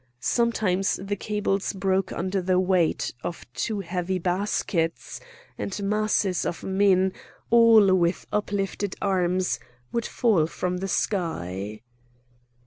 Sometimes the cables broke under the weight of too heavy baskets, and masses of men, all with uplifted arms, would fall from the sky.